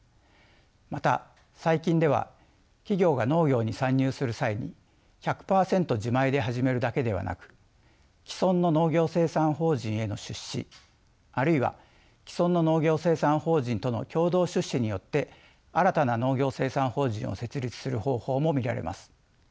また最近では企業が農業に参入する際に１００％自前で始めるだけではなく既存の農業生産法人への出資あるいは既存の農業生産法人との共同出資によって新たな農業生産法人を設立する方法も見られます。